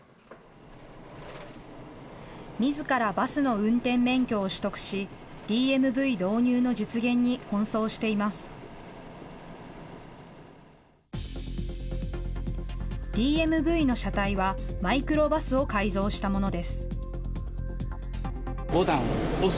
みずからバスの運転免許を取得し、ＤＭＶ導入の実現に奔走しています。